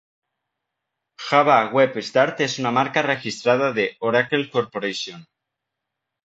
Java Web Start es una marca registrada de Oracle Corporation.